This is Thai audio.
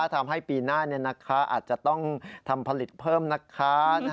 ทำให้ปีหน้าอาจจะต้องทำผลิตเพิ่มนะคะ